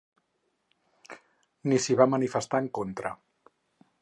Ni s’hi va manifestar en contra.